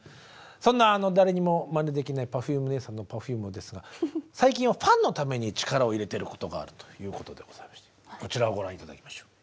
そんな誰にもまねできないＰｅｒｆｕｍｅねえさんのＰｅｒｆｕｍｅですが最近はファンのために力を入れてることがあるということでございましてこちらをご覧頂きましょう。